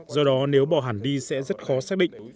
do đó nếu bỏ hẳn đi sẽ rất khó xác định